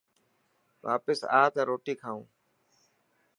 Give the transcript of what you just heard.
واپس آءِ ته روٽي کائون.